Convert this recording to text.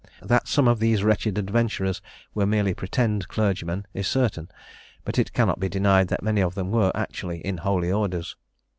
That some of these wretched adventurers were merely pretended clergymen is certain; but it cannot be denied that many of them were actually in holy orders.